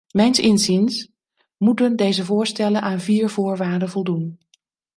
Mijns inziens moeten deze voorstellen aan vier voorwaarden voldoen.